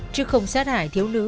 chứ không sát hại thiếu nữ